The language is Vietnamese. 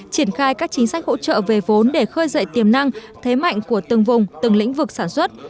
triển khai các chính sách hỗ trợ về vốn để khơi dậy tiềm năng thế mạnh của từng vùng từng lĩnh vực sản xuất